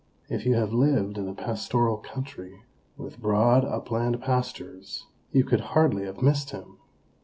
If you have lived in a pastoral country, with broad upland pastures, you could hardly have missed him.